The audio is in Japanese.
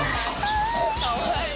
かわいい！